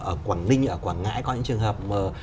ở quảng ninh ở quảng ngãi có những trường hợp mà